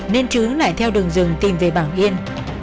nên chứ lại theo đường rừng tìm về bảo yên